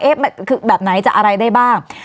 เอ๊ะคือแบบไหนจะอะไรได้บ้าง